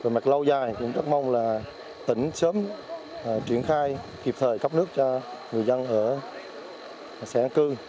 mặt lâu dài cũng rất mong là tỉnh sớm triển khai kịp thời cấp nước cho người dân ở xã an cư